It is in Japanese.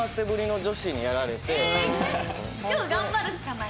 今日頑張るしかない。